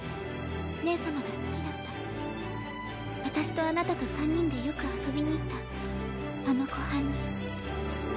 姉様が好きだった私とあなたと三人でよく遊びに行ったあの湖畔に。